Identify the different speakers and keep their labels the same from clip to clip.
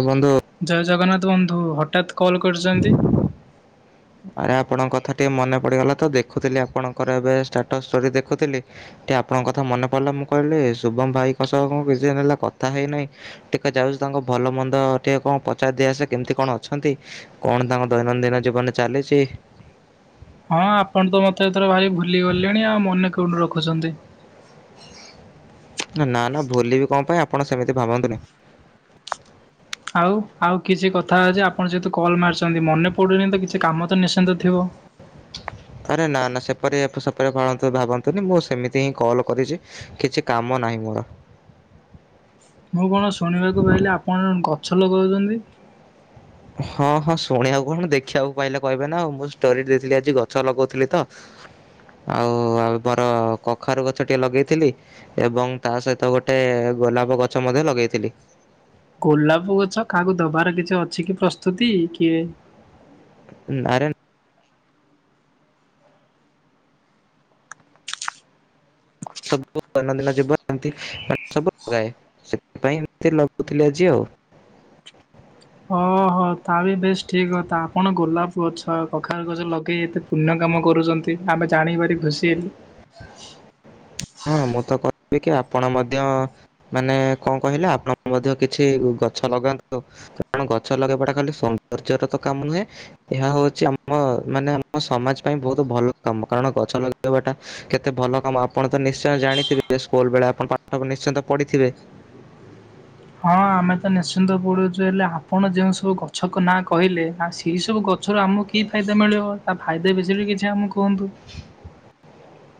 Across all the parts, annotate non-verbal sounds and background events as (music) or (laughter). Speaker 1: ବନ୍ଧୁ
Speaker 2: ଜୟ ଜଗନ୍ନାଥ ବନ୍ଧୁ ହଠାତ୍ କଲ କରିଛନ୍ତି?
Speaker 1: ଆରେ ଆପଣଙ୍କ କଥା ଟିକେ ମନେ ପଡିଗଲା ତ ଦେଖୁଥିଲି ଆପଣଙ୍କର ଏବେ ଷ୍ଟାଟସ ଷ୍ଟୋରୀ ଦେଖୁଥିଲି। ଟିକେ ଆପଣଙ୍କ କଥା ମନେ ପଡିଲା ମୁଁ କହିଲି ଶୁଭମ ଭାଇଙ୍କ ସହ କଣ କିଛି ଦିନ ହେଲା କଥା ହେଇନାହିଁ। ଟିକେ ଯାଉଛ ତାଙ୍କ ଭଲ ମନ୍ଦ ଟିକେ କଣ ପଚାରି ଦିଆସେ କେମିତି କଣ ଅଛନ୍ତି? କଣ ତାଙ୍କ ଦୈନନ୍ଦିନ ଜୀବନ ଚାଲିଛି।
Speaker 2: ହଁ ଆପଣ ତ ମତେ ଏଥର ଭାରି ଭୁଲି ଗଲେଣି ଆଉ ମନେ କେଉଠୁ ରଖୁଛନ୍ତି।
Speaker 1: ନା ନା ନା ଭୁଲି ବିି କଣ ପାଇଁ ଆପଣ ସେମିତି ଭାବନ୍ତୁନି।
Speaker 2: ଆଉ ଆଉ କିଛି କଥା ଅଛି ଆପଣ ଯେହେତୁ କଲ୍ ମାରିଛନ୍ତି ମନେ ପଡୁନି ତ କିଛି କାମ ତ ନିଶ୍ଚିନ୍ତ ଥିବ।
Speaker 1: ଆରେ ନା ନା ସେପରି ସେପରି ଭାବନ୍ତୁନି ମୁଁ ସେମିତି ହିଁ କଲ୍ କରିଛି। କିଛି କାମ ନାହିଁ ମୋର।
Speaker 2: ମୁଁ କଣ ଶୁଣିବାକୁ ପାଇଲିି ଆପଣ ଗଛ ଲଗଉଛନ୍ତି।
Speaker 1: ହଁ ହଁ ଶୁଣିବାକୁ କଣ ଦେଖିବାକୁ ପାଇଲେ କହିବେ ନା ଆଉ ମୁଁ ଷ୍ଟୋରି ଦେଇଥିଲି ଆଜି ଗଛ ଲଗଉଥିଲି ତ। ଆଉ ଆ ମୋର କଖାରୁ ଗଛ ଟିକେ ଲଗେଇଥିଲି। ଏବଂ ତା ସହିତ ଗୋଟେ ଗୋଲାପ ଗଛ ମଧ୍ୟ ଲଗେଇଥିଲି।
Speaker 2: ଗୋଲାପ ଗଛ କାହାକୁ ଦବାର କିଛି ଅଛି କି ପ୍ରସ୍ତୁତି କିଏ
Speaker 1: ଆରେ ସବୁ ଦୈନନ୍ଦିନ ଯିବ ଏମତି ସବୁ ଲଗାଏ ସେଥିପାଇଁ ଏମତି ଲଗଉଥିଲି ଆଜି ଆଉ।
Speaker 2: ଓହୋ ତା ବି ବେଶ ଠିକ୍ କ ତା ଆପଣ ଗୋଲାପ ଗଛ କଖାରୁ ଗଛ ଲଗେଇ ଏତେ ପୁଣ୍ୟ କାମ କରୁଛନ୍ତି ଆମେ ଜାଣିିବାରି ଖୁସି ହେଲୁ। ହ
Speaker 1: ହଁ ମୁଁ ତ କହିବି କି ଆପଣ ମଧ୍ୟ ମାନେ କଣ କହିଲେ ଆପଣ ମଧ୍ୟ କିଛି ଗଛ ଲଗାନ୍ତୁ। କାରଣ ଗଛ ଲଗେଇବାଟା ଖାଲି ସୌନ୍ଦର୍ଯ୍ୟ ର ତ କାମ ନୁହେଁ। ଏହା ହଉଛି ଆମ ମାନେ ଆମ ସମାଜ ପାଇଁ ବହୁତ ଭଲ କାମ କାରଣ ଗଛ ଲଗେଇବାଟା କେତେ ଭଲ କାମ ଆପଣ ତ ନିଶ୍ଚୟ ଜାଣିଥିବେ ସ୍କୁଲ ବେଳେ ଆପଣ ପାଠ ନିଶ୍ଚନ୍ତ ପଢିଥିବେ।
Speaker 2: ହଁ ଆମେ ତ ନିଶ୍ଚିନ୍ତ ପଡୁଛୁ ହେଲେ ଆପଣ ଯେଉଁ ସବୁ ଗଛ ନାଁ କହିଲେ ନା ସେଇ ସବୁ ଗଛରୁ ଆମକୁ କି ଫାଇଦା ମିଳିବ ତା ଫାଇଦା ବିଷୟରେ କିଛି ଆମକୁ କୁହନ୍ତୁ।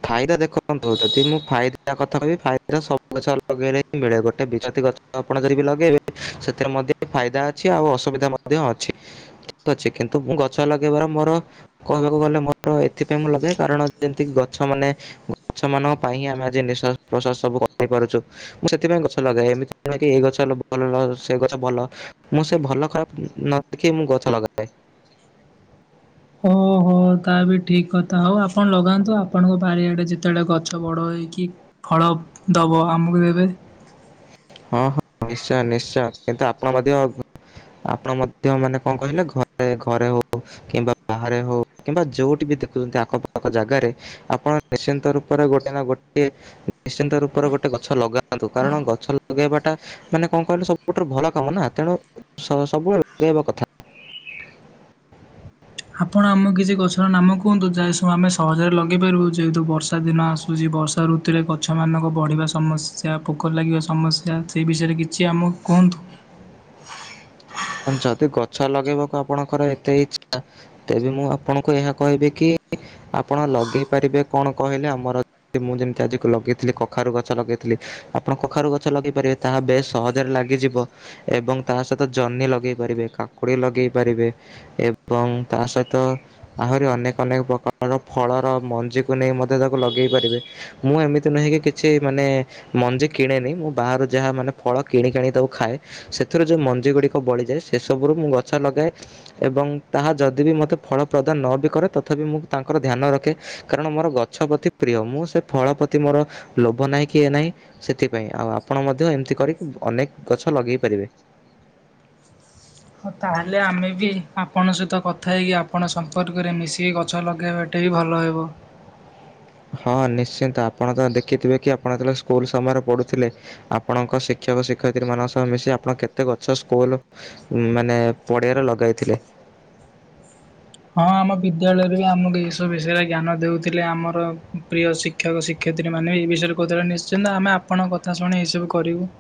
Speaker 1: ଫାଇଦା ଦେଖନ୍ତୁ ଯଦି ମୁଁ ଫାଇଦ କଥା କହି ଫାଇଦା ସବୁ ଗଛ ଲଗେଇଲେ ହିଁ ମିଳେ ଗୋଟେ ବିଜତି ଗଛ ଆପଣ ଯଦି ବି ଲଗେଇବେ ସେଥିରେ ମଧ୍ୟ ଫାଇଦା ଅଛି ଆଉ ଅସୁବିଧା ମଧ୍ୟ ଅଛି। ଠିକ ଅଛି କିନ୍ତୁ ମୁଁ ଗଛ ଲଗେଇବାର ମୋର କହିବାକୁ ଗଲେ ମୋର ଏଥିପାଇଁ ମୁଁ ଲଗେ କାରଣ ଯେମିତି ଗଛ ମାନେ ଗଛ ମାନଙ୍କ ପାଇଁ ହିଁ ଆମେ ଆଜି ନିଶ୍ୱାସ ପ୍ରଶ୍ୱାସ ସବୁ କରି ପାରୁଛୁ। ମୁଁ ସେଥିପାଇଁ ଗଛ ଲଗାଏ ଏମିତି ନୁହେଁକି ଏଇ ଗଛ ଭଲ ସେ ଗଛ ଭଲ। ମୁଁ ସେ ଭଲ ଖରାପ ଉଁଉଁ ନ ଦେଖି ମୁଁ ଗଛ ଲଗାଏ।
Speaker 2: ଓ ହୋ ହଉ ତା ବି ଠିକ୍ କଥା ହଉ ଆପଣ ଲଗାନ୍ତୁ ଆପଣଙ୍କ ବାରିଆଡେ ଯେତେବେଳେ ଗଛ ବଡ ହେଇକି ଫଳ ଦବ ଆମକୁ ଦେବେ
Speaker 1: ହଁ ହଁ ନିଶ୍ଚୟ ନିଶ୍ଚୟ କିନ୍ତୁ ଆପଣ ମଧ୍ୟ ଆପଣ ମଧ୍ୟ ମାନେ କଁଅ କହିଲେ ଘରେ ଘରେ ହଉ କିମ୍ବା ବାହାରେ ହଉ କିମ୍ବା ଯୋଉଠି ବି ଦେଖୁଚନ୍ତି ଆଖପାଖ ଜାଗାରେ ଆପଣ ନିଶ୍ଚିନ୍ତ ରୂପରେ ଗୋଟେ ନା ଗୋଟିଏ ନିଶ୍ଚିନ୍ତ ରୂପରେ ଗୋଟେ ଗଛ ଲଗାନ୍ତୁ କାରଣ ଗଛ ଲଗେଇବାଟା ମାନେ କଁଅ କହିଲ ସବୁଠାରୁ ଭଲ କାମ ନା ତେଣୁ ସ ସବୁବେଳେ ଲଗେଇବା କଥା
Speaker 2: ଆପଣ ଆମ କିଛି ଗଛର ନାମ କୁହନ୍ତୁ ଯାହା ସବୁ ଆମେ ସହଜରେ ଲଗେଇ ପାରିବୁ ଯେହେତୁ ବର୍ଷା ଦିନ ଆସୁଚି ବ ର୍ଷା ଋତୁରେ ଗଛମାନଙ୍କ ବଢିବା ସମସ୍ୟା ପୋକ ଲାଗିବା ସମସ୍ୟା ସେହି ବିଷୟରେ କିଛି ଆମକୁ କୁହନ୍ତୁ
Speaker 1: (unintelligible) ଯଦି ଗଛ ଲଗେଇବାକୁ ଆପଣଙ୍କର ଏତେ ଇଚ୍ଛା ତେବେ ମୁଁ ଆପଣଙ୍କୁ ଏହା କହିବି କି ଆପଣ ଲଗେଇ ପାରିବେ କଣ କହିଲେ ଆମର ଏ ମୁଁ ଯେମିତି ଆଜିକୁ ଲଗେଇଥିଲି କଖାରୁ ଗଛ ଲଗେଇଥିଲି ଆପଣ କଖାରୁ ଗଛ ଲଗେଇ ପାରିବେ ତାହା ବେଶ୍ ସହଜରେ ଲାଗିଯିବ ଏବଂ ତାହା ସହିତ ଜହ୍ନି ଲଗେଇ ପାରିବେ କାକୁଡି ଲଗେଇ ପାରିବେ ଏବଂ ତା ସହିତ ଆହୁରି ଅନେକ ଅନେକ ପ୍ରକାରର ଫଳର ମଞ୍ଜିକୁ ନେଇ ମଧ୍ୟ ତାକୁ ଲଗେଇ ପାରିବେ ମୁଁ ଏମିତି ନୁହେଁକି କିଛି ମାନେ ମଞ୍ଜି କିଣେନି ମୁଁ ବାହାରୁ ଯାହା ମାନେ ଫଳ କିଣିକି ଆଣିକି ତାକୁ ଖାଏ ସେଥିରୁ ଯୋଉ ମଞ୍ଜି ଗୁଡି କ ବଳିଯାଏ ସେସବୁରୁ ମୁଁ ଗଛ ଲଗାଏ ଏବଂ ତାହା ଯଦି ବି ମତେ ଫଳ ପ୍ରଦାନ ନ ବି କରେ ତଥାପି ମୁଁ ତାଙ୍କର ଧ୍ୟାନ ରଖେ। କାରଣ ମୋର ଗଛ ପ୍ରତି ପ୍ରିୟ ମୁଁ ସେ ଫଳ ପ୍ରତି ମୋର ଲୋଭ ନାହିଁ କି ଇଏ ନାହିଁ ସେଥିପାଇଁ ଆଉ ଆପଣ ମଧ୍ୟ ଏମିତି କରିକି ଅନେକ ଗଛ ଲଗେଇ ପାରିବେ।
Speaker 2: ହଁ ତାହେଲେ ଆମେ ବି ଆପଣଙ୍କ ସହିତ କଥା ହେଇକି ଆପଣ ସମ୍ପର୍କରେ ମିଶିକି ଗଛ ଲଗେଇବା। ସେଟା ବି ଭଲ ହେବ
Speaker 1: ହଁ ନିଶ୍ଚିନ୍ତ ଆପଣ ତ ଦେଖିଥିବେ କି ଆପଣ ଯେତେବେଳେ ସ୍କୁଲ ସମୟରେ ପଢୁଥିଲେ ଆପଣଙ୍କ ଶିକ୍ଷକ ଶିକ୍ଷୟତ୍ରୀ ମାନଙ୍କ ସହ ମିଶି ଆପଣ କେତେ ଗଛ ସ୍କୁଲୁ ଉଁ ମାନେ ପଡିଆରେ ଲଗାଇଥିଲେ।
Speaker 2: ହଁ ଆମ ବିଦ୍ୟାଳୟରେ ବି ଆମକୁ ଏଇ ସବୁ ବିଷୟରେ ଜ୍ଞାନ ଦେଉଥିଲେ ଆମର ପ୍ରିୟ ଶି କ୍ଷକ ଶିକ୍ଷୟିତ୍ରୀ ମାନେ ଏଇ ବିଷୟରେ କଉଥିଲେ ନିଶ୍ଚିନ୍ତ ଆମେ ଆପଣଙ୍କ କଥା ଶୁଣି ଏଇସବୁ କରିବୁ।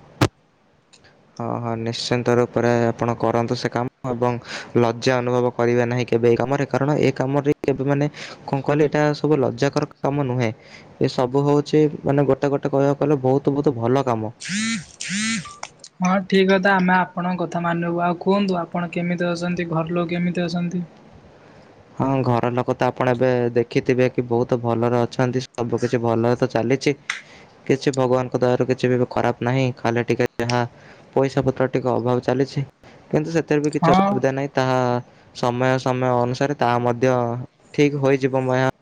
Speaker 1: ହଁ ହଁ ନିଶ୍ଚିନ୍ତ ରୂପରେ ଆପଣ କରନ୍ତୁ ସେ କାମ ଏବଂ ଲଜ୍ଜା ଅନୁଭବ କରିବା ନାହିଁ କେବେ ଏ କାମରେ କାରଣ ଏ କାମରେ କେବେ ମାନେ କଁଅ କହିଲେ ଏଟା ସବୁ ଲଜ୍ଜାକର କା କାମ ନୁହେଁ ଏ ସବୁ ହଉଛି ମାନେ ଗୋଟେ ଗୋଟେ କହିବାକୁ ଗଲେ ବହୁତୁ ବହୁତୁ ଭଲ କାମ।
Speaker 2: (inaudible) ହଁ ଠିକ୍ କଥା ଆମେ ଆପଣଙ୍କ କଥା ମାନିବୁ ଆଉ କୁହନ୍ତୁ ଆପଣ କେମିତି ଅଛନ୍ତି ଘରଲୋକ କେମିତି ଅଛନ୍ତି?
Speaker 1: ହଁ ଘର ଲୋକ ତ ଆପଣ ଏବେ ଦେଖିଥିବେ କି ବହୁତ ଭଲରେ ଅଛନ୍ତି ସବୁ କିଛି ଭଲରେ ତ ଚାଲିଛି କିଛି ଭଗବାନଙ୍କ ଦୟାରୁ କିଛିବି ଏବେ ଖରାପ ନାହିଁ ଖାଲି ଟିକେ ଯାହା ପଇସା ପତ୍ର ଟିକେ ଅଭାବ ଚାଲିଛି କିନ୍ତୁ ସେଥିରେ ବି କିଛି
Speaker 2: ହଁ।
Speaker 1: ଅସୁବିଧା ନାହିଁ ତାହା ସମୟ ସମୟ ଅନୁସାରେ ତାହା ମଧ୍ୟ ଠିକ୍ ହୋଇଯିବ ମହୟା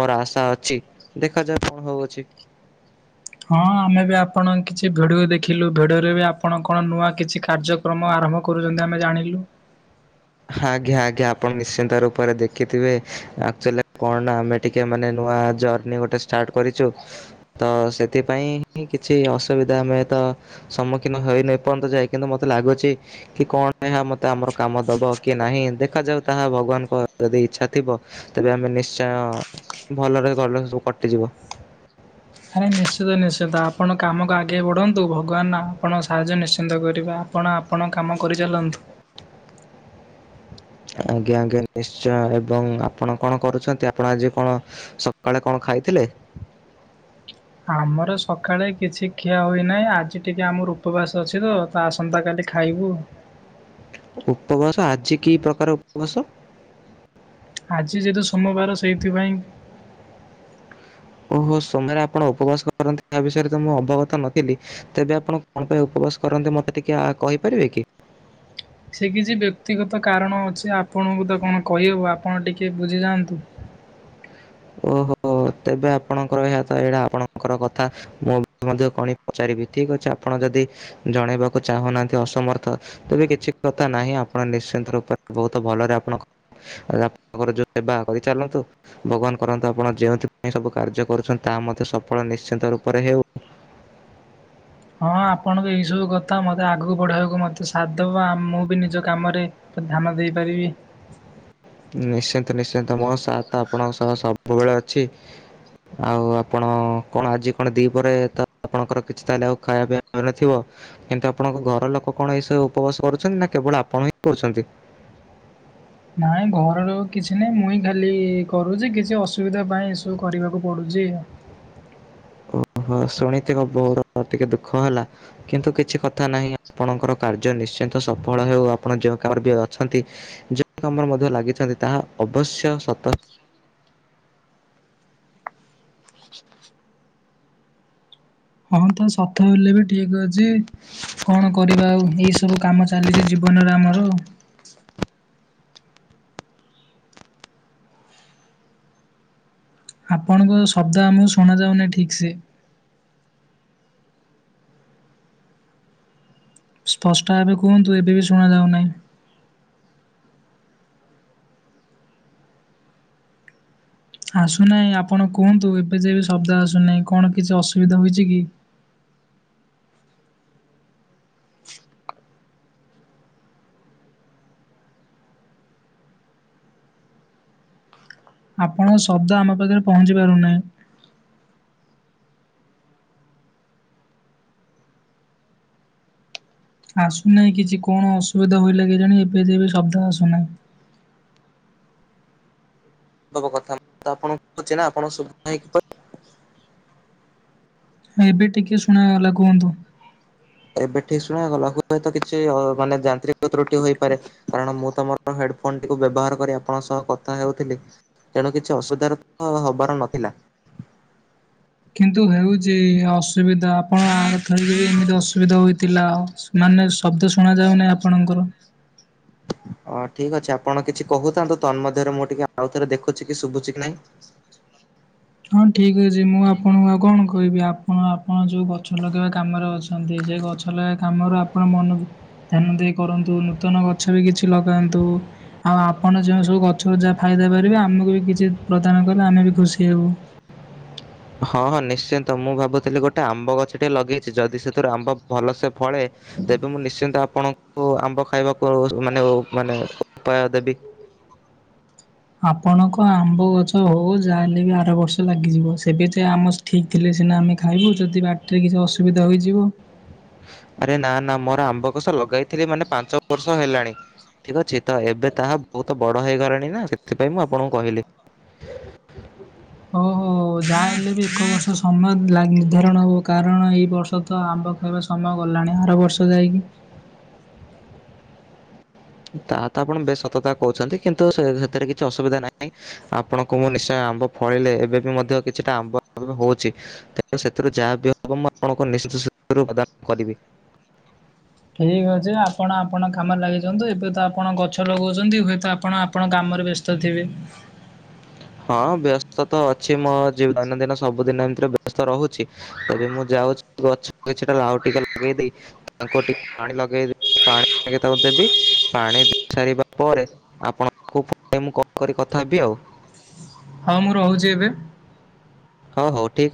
Speaker 1: ମୋର ଆଶା ଅଛି ଦେଖାଯାଉ କଣ ହଉଚି
Speaker 2: ହଁ ଆମେ ବି ଆପଣଙ୍କ କିଛି ଭିଡିଓ ଦେଖିଲୁ ଭିଡିଓରେ ବି ଆପଣ କଣ ନୂଆ କିଛି କାର୍ଯ୍ୟ କ୍ରମ ଆରମ୍ଭ କରୁଚନ୍ତି ଆମେ ଜାଣିଲୁ
Speaker 1: ହା ଆଜ୍ଞା ଆଜ୍ଞା ଆପଣ ନିଶ୍ଚିନ୍ତ ରୂପରେ ଦେଖିଥିବେ ଆକୁଚାଲି କଣ ଆମେ ଟିକେ ମାନେ ନୂଆ ଜର୍ଣିି ଗୋଟେ ଷ୍ଟାର୍ଟ କରିଛୁ। ତ ସେଥିପାଇଁ ହିଁ କିଛି ଅସୁବିଧା ଆମେ ତ ସମ୍ମୁଖୀନ ହେଇନି ଏ ପର୍ଯ୍ୟନ୍ତ ଯା କିନ୍ତୁ ମତେ ଲାଗୁଛି କି କଣ ଏହା ମତେ ଆମର କାମ ଦବ। କି ନାହିଁ ଦେଖାଯାଉ ତାହା ଭଗବାନଙ୍କ ଯଦି ଇଚ୍ଛା ଥିବ ତେବେ ଆମେ ନିଶ୍ଚୟ ଭଲରେ ଗଲେ ସବୁ କଟିଯିବ।
Speaker 2: ଆରେ ନିଶ୍ଚିତ ନିଶ୍ଚନ୍ତ ଆପଣ କାମକୁ ଆଗେଇ ବଢ଼ନ୍ତୁ ଭଗବାନ ନା ଆପଣ ସାହାଯ୍ୟ ନିଶ୍ଚିନ୍ତ କରିବା। ଆପଣ ଆପଣଙ୍କ କାମ କରିଚାଲନ୍ତୁ।
Speaker 1: ଆଜ୍ଞା ଆଜ୍ଞା ନିଶ୍ଚୟ ଏବଂ ଆପଣ କଣ କରୁଛନ୍ତି ଆପଣ ଆଜି କଣ ସକାଳେ କଣ ଖାଇଥିଲେ?
Speaker 2: ଆମର ସକାଳେ କିଛି ଖିଆ ହୋଇନାହିଁ ଆଜି ଟିକେ ଆମର ଉପବାସ ଅଛି ତ। ବା ଆସନ୍ତା କାଲି ଖାଇବୁ।
Speaker 1: ଉପବାସ ଆଜି କି ପ୍ରକାର ଉପବାସ?
Speaker 2: ଆଜି ଯେହେତୁ ସୋମବାର ସେଇଥିପାଇଁ।
Speaker 1: ଓହୋ ସମୟରେ ଆପଣ ଉପବାସ କରନ୍ତି ତା ବିଷୟରେ ତ ମୁଁ ଅବଗତ ନଥିଲି। ତେବେ ଆପଣ କଣ ପାଇଁ ଉପବାସ କରନ୍ତି ମତେ ଟିକେ କହିପାରିବେ କି?
Speaker 2: ସେ କିଛି ବ୍ୟକ୍ତିଗତ କାରଣ ଅଛି ଆପଣଙ୍କୁ ତ କଣ କହିହବ ଆପଣ ଟିକେ ବୁଝିଯାଆନ୍ତୁ।
Speaker 1: ଓହୋ ତେବେ ଆପଣଙ୍କର ଏହାତ ଏଇଟା ଆପଣଙ୍କର କଥା। ମୁଁ ମଧ୍ୟ କଣ ପଚାରିବି ଠିକ୍ ଅଛି ଆପଣ ଯଦି ଜଣେଇବାକୁ ଚାହୁଁନାହାନ୍ତି ଅସମର୍ଥ। ତେବେ କିଛି କଥା ନାହିଁ ଆପଣ ନିଶ୍ଚିନ୍ତ ରୂପରେ ବହୁତ ଭଲରେ ଆପଣ ରା ତାଙ୍କର ଯୋଉ ସେବା କରି ଚାଲନ୍ତୁ ଭଗବାନ କରନ୍ତୁ ଆପଣ ଯେଉଁଥିପାଇଁ ସବୁ କାର୍ଯ୍ୟ କରୁଛନ୍ତି ତାହା ମଧ୍ୟ ସଫଳ ନିଶ୍ଚିନ୍ତ ରୂପରେ ହେଉ।
Speaker 2: ହଁ ଆପଣଙ୍କ ଏଇ ସବୁ କଥା ମୋତେ ଆଗକୁ ବଢ଼େଇବାକୁ ମୋତେ ସାଥ୍ ଦେବ ମୁଁ ବି ନିଜ କାମରେ ତ ଧାନ ଦେଇପାରିବି।
Speaker 1: ନିଶ୍ଚିନ୍ତ ନିଶ୍ଚିନ୍ତ ମୋ ସାଥ ଆପଣଙ୍କ ସହ ସବୁବେଳେ ଅଛି। ଆଉ ଆପଣ କଣ ଆଜି କଣ ଦିପହରେ ତ ଆପଣଙ୍କର କିଛି ତାହେଲେ ଆଉ ଖାଇବା ପିଇବା ନଥିବ। କିନ୍ତୁ ଆପଣଙ୍କ ଘର ଲୋକ କଣ ଏଇସବୁ ଉପବାସ କରୁଛନ୍ତି ନା କେବଳ ଆପଣ ହିଁ କରୁଛନ୍ତି?
Speaker 2: ନାଇଁ ଘରର କିଛି ନାହିଁ ମୁଇଁ ଖାଲି କରୁଛି କିଛି ଅସୁବିଧା ପାଇଁ ଏସବୁ କରିବାକୁ ପଡ଼ୁଛି।
Speaker 1: ଓହୋ ଶୁଣିଥିବ ବୋହୁର ପ୍ରତି କେ ଦୁଃଖ ହେଲା। କିନ୍ତୁ କିଛି କଥା ନାହିଁ ଆପଣଙ୍କର କାର୍ଯ୍ୟ ନିଶ୍ଚିନ୍ତ ସଫଳ ହେଉ ଆପଣ ଯେଉ କାମରେ ବି ଅଛନ୍ତି। ଯଉ କାମରେ ମଧ୍ୟ ଲାଗିଛନ୍ତି ତାହା ଅବଶ୍ୟ ସତ।
Speaker 2: ହଁ ତ ସତ ହେଲେ ବି ଠିକ୍ ଅଛି। କଣ କରିବା ଆଉ ଏଇ ସବୁ କାମ ଚାଲିଛି ଜୀବନରେ ଆମର। ଆପଣଙ୍କ ଶବ୍ଦ ଆମକୁ ଶୁଣାଯାଉନାହିଁ ଠିକ୍ ସେ। ସ୍ପଷ୍ଟ ଭାବେ କୁହନ୍ତୁ ଏବେ ବି ଶୁଣାଯାଉନାହିଁ। ଆସୁନାହିଁ ଆପଣ କୁହନ୍ତୁ ଏବେ ଯେବେ ଶବ୍ଦ ଆସୁନାହିଁ କଣ କିଛି ଅସୁବିଧା ହୋଇଛି କି? ଆପଣଙ୍କ ଶବ୍ଦ ଆମ ପାଖରେ ପହଞ୍ଚି ପାରୁନାହିଁ। ଆସୁନାହିଁ କିଛି କଣ ଅସୁବିଧା ହେଇଲା କି ଜାଣି ଏବେ ଯେବେ ଶବ୍ଦ ଆସୁନାହିଁ।
Speaker 1: ସବୁ କଥା ଆପଣ (inaudible) ଛି ନା ଆପଣ ସୁବୁ ନାହିଁ (inaudible)
Speaker 2: ଏବେ ଟିକେ ଶୁଣାଗଲା କୁହନ୍ତୁ।
Speaker 1: ଏବେ ଠିକ୍ ଶୁଣାଗଲା ହୁଏତ କିଛି ମାନେ ଯାନ୍ତ୍ରିକ ତ୍ରୁଟି ହୋଇପାରେ। କାରଣ ମୁଁ ତମର ହେଡଫୋନ ଟିକୁ ବ୍ୟବହାର କରି ଆପଣଙ୍କ ସହ କଥା ହେଉଥିଲି। ତେଣୁ କିଛି ଅସୁବିଧାର ତ ହବାର ନଥିଲା।
Speaker 2: କିନ୍ତୁ ହେଉଛି ଅସୁବିଧା ଆପଣ ଥର ଏମିତି ଅସୁବିଧା ହେଇଥିଲା ଆଉ ମାନେ ଶବ୍ଦ ଶୁଣ ଯାଉନି ଆପଣଙ୍କର।
Speaker 1: ଅ ଠିକ୍ ଅଛି ଆପଣ କିଛି କହୁଥାନ୍ତୁ ତନ୍ ମଧ୍ୟରେ ମୁଁ ଟିକେ ଆଉ ଥରେ ଦେଖୁଛି କି ଶୁଭୁଛି କି ନାଇଁ।
Speaker 2: ହଁ ଠିକ୍ ଅଛି ମୁଁ ଆପଣଙ୍କୁ ଆଉ କଣ କହିବି। ଆପ୍ କଣ ଆପଣ ଯୋଉ ଗଛ ଲଗେଇବା କାମରେ ଅଛନ୍ତି, ସେ ଗଛ ଲଗେଇବା କାମରୁ ଆପଣ ମନ ଧ୍ୟାନ ଦେଇ କରନ୍ତୁ, ନୂତନ ଗଛ ବି କିଛି ଲଗାନ୍ତୁ। ଆଉ ଆପଣ ଯେଉଁ ସବୁ ଗଛକୁ ଯାହା ଫାଇଦା ପାରିବେ ଆମକୁ ବି କିଛି ପ୍ରଦାନ କଲେ ଆମେ ବି ଖୁସି ହେବୁ।
Speaker 1: ହଁ ହଁ ନିଶ୍ଚିନ୍ତ, ମୁଁ ଭାବୁଥିଲି ଗୋଟେ ଆମ୍ବ ଗଛ ଟେ ଲଗେଇଛି, ଯଦି ସେଥିରୁ ଆମ୍ବ ଭଲ ସେ ଫଳେ ତେବେ ମୁଁ ନିଶ୍ଚିନ୍ତ ଆପଣ ହୋ ଆମ୍ବ ଖାଇବାକୁ ମାନେହୋ ମାନେ ଉପାୟ ଦେବି।
Speaker 2: ଆପଣଙ୍କ ଆମ୍ବ ଗଛ ହଉ ଯାହା ହେଲେ ବି ଆର ବର୍ଷ ଲାଗିଯିବ, ସେବେ ଯାଏ ଆମ ଠିକ୍ ଥିଲେ ସିନା ଆମେ ଖାଇବୁ ଯଦି ବାଟରେ କିଛି ଅସୁବିଧା ହୋଇଯିବ।
Speaker 1: ଆରେ ନା ନା ମୋର ଆମ୍ବ କୋଷ ଲଗେଇଥିଲି ମାନେ ପାଞ୍ଚ ବର୍ଷ ହେଲାଣି। ଠିକ୍ ଅଛି ତ ଏବେ ତାହା ବହୁତ ବଡ ହେଇଗଲାଣି ନା ସେଥିପାଇଁ ମୁଁ ଆପଣଙ୍କୁ କହିଲି।
Speaker 2: ଓହୋ ଯାହା ହେଲେ ବି ଏକ ବର୍ଷ ସମୟାଗ ଲାଗି ନିର୍ଦ୍ଧାରଣ ହେବ କାରଣ ଏଇ ବର୍ଷ ତ ଆମ୍ବ (unintelligible) ସମୟ ଗଲାଣି ଆର ବର୍ଷ ଯାଇକି
Speaker 1: ତା ତ ଆପଣ ବେଶ ସତ କଥା କହୁଛନ୍ତି, କିନ୍ତୁ ସେ ସେଥିରେ କିଛି ଅସୁବିଧା ନାହିଁ। ଆପଣଙ୍କୁ ମୁଁ ନିଶ୍ଚୟ ଆମ୍ବ ଫଳିଲେ ଏବେ ବି ମଧ୍ୟ କିଛିଟା ଆମ୍ବ ହଉଛି। ତେବେ ସେଥିରୁ ଯାହା ବି ହବ ମୁଁ ଆପଣଙ୍କୁ ନିଶିତ ସେଥିରୁ ପ୍ରଦାନ କରିବି।
Speaker 2: ଠିକ୍ ଅଛି ଆପଣ ଆପଣଙ୍କ କାମରେ ଲାଗିଛନ୍ତି, ଏବେ ତ ଆପଣ ଗଛ ଲଗାଉଛନ୍ତି, ହୁଏତ ଆପଣ ଆପଣ କାମରେ ବ୍ୟସ୍ତ ତଥିବେ।
Speaker 1: ହଁ ବ୍ୟସ୍ତ ତ ଅଛି, ମୋ ଜୀ ଦୈନନ୍ଦିନ ସବୁଦିନ ଏମିତିରେ ବ୍ୟସ୍ତ ରହୁଛି। ତବେ ମୁଁ ଯାଉଛି ଗଛ ଗଟା ଲାାଉ ଟିକେ ଲଗେଇ ଦେଇ ତାଙ୍କୁ ଟିକେ ପାଣି ଲଗେଇବି ପାଣି ତାଙ୍କୁ ଦେବି ପାଣି ଦେଇ ସାରିବା ପରେ ଆପଣଙ୍କୁ ମୁଁ (unintelligible) କଲ କରି କଥା ହେବି ଆଉ।
Speaker 2: ହଁ ମୁଁ ରହୁଛି ଏବେ।
Speaker 1: ହଁ ହଉ ଠିକ ଅଛି।